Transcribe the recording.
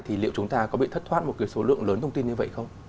thì liệu chúng ta có bị thất thoát một cái số lượng lớn thông tin như vậy không